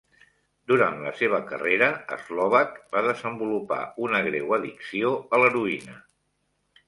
Durant la seva carrera, Slovak va desenvolupar una greu addicció a l'heroïna.